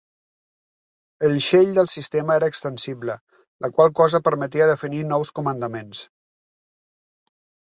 El shell del sistema era extensible, la qual cosa permetia definir nous comandaments.